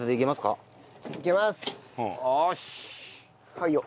はいよ。